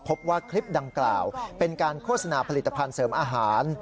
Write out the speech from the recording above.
พบว่าคลิปดังกล่าวเป็นการโฆษณาผลิตภัณฑ์เสริมอาหาร